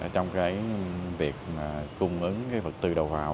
trong cái việc cung ứng cái vật tư đầu vào